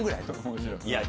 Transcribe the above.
面白い。